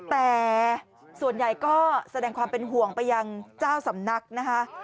แต่ส่วนใหญ่ก็แสดงความเป็นห่วงไปยังเจ้าสำนักนะคะ